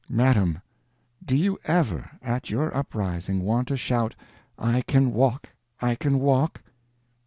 Madam, do you ever, at your uprising, want to shout 'I can walk! I can walk!'?"